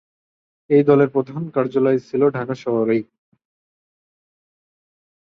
এই দলের প্রধান কার্যালয় ছিল ঢাকা শহরেই।